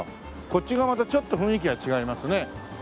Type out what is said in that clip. こっち側またちょっと雰囲気が違いますね。